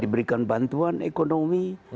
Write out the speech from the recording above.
diberikan bantuan ekonomi